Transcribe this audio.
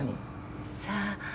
さあ。